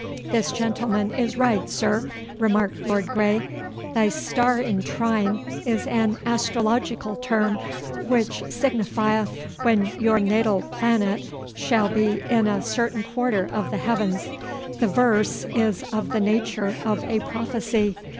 'This gentleman is right, sir,' remarked Lord Grey. '"Thy star in trine" is an astrological term, which signifieth when your natal planet shall be in a certain quarter of the heavens. The verse is of the nature of a prophecy.